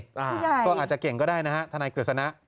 ก็อาจจะเก่งก็ได้นะฮะทนายกฤษณะ